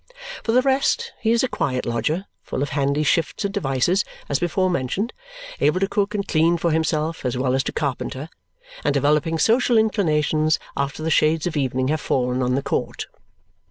For the rest he is a quiet lodger, full of handy shifts and devices as before mentioned, able to cook and clean for himself as well as to carpenter, and developing social inclinations after the shades of evening have fallen on the court.